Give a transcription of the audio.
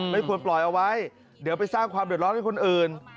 ไม่ควรปล่อยเอาไว้เดี๋ยวไปสร้างความเดือดร้อนให้คนอื่น